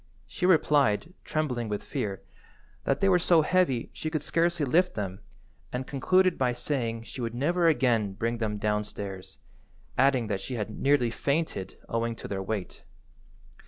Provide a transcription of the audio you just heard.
She replied, trembling with fear, that they were so heavy she could scarcely lift them, and concluded by saying she would never again bring them downstairs, adding that she had nearly fainted owing to their weight.